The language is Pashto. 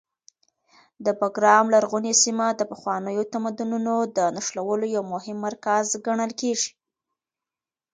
د بګرام لرغونې سیمه د پخوانیو تمدنونو د نښلولو یو مهم مرکز ګڼل کېږي.